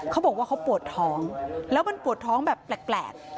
เขาบอกว่าเขาปวดท้องแล้วมันปวดท้องแบบแปลก